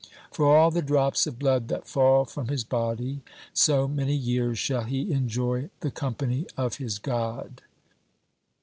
For all the drops of blood that fall from his body, so many years shall he enjoy the company of his God.'